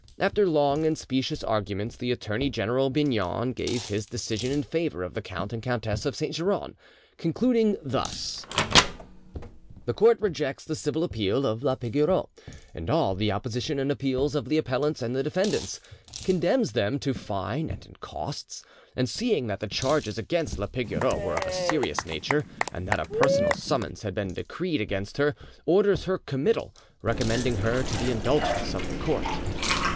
After long and specious arguments, the attorney general Bijnon gave his decision in favour of the Count and Countess of Saint Geran, concluding thus:— "The court rejects the civil appeal of la Pigoreau; and all the opposition and appeals of the appellants and the defendants; condemns them to fine and in costs; and seeing that the charges against la Pigoreau were of a serious nature, and that a personal summons had been decreed against her, orders her committal, recommending her to the indulgence of the court."